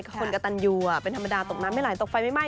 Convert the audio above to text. คนกระตันยูเป็นธรรมดาตกน้ำไม่ไหลตกไฟไม่ไหม้